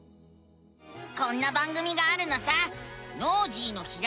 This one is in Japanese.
こんな番組があるのさ！